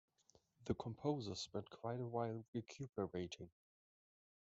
The composer spent quite a while recuperating.